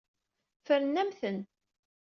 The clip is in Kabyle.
Ffren-am-ten.